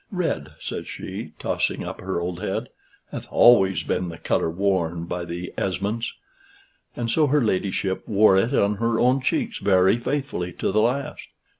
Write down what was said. "Red," says she, tossing up her old head, "hath always been the color worn by the Esmonds." And so her ladyship wore it on her own cheeks very faithfully to the last.